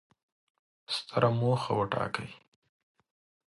ستره موخه وټاکئ!